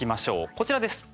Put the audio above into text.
こちらです。